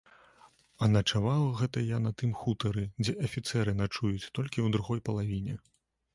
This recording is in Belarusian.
А начаваў гэта я на тым хутары, дзе афіцэры начуюць, толькі ў другой палавіне.